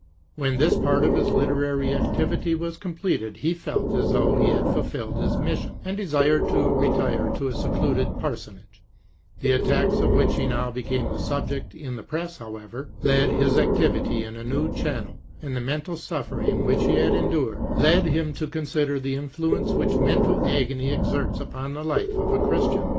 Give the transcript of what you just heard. When this part of his literary activity was completed he felt as though he had fulfilled his mission, and desired to retire to a secluded par sonage; the attacks of which he now became the subject in the press, however, led his activity into a new channel, and the mental suffering which he had endured led him to consider the influence which mental agony exerts upon the life of a Chm tian.